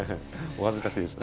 お恥ずかしいです。